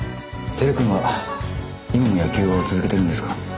輝君は今も野球を続けてるんですか？